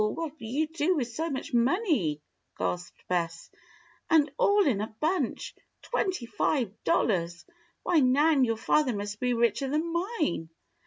what'll you do with so much money?" gasped Bess. "And all in a bunch. Twenty five dollars! Why, Nan, your father must be richer than mine!"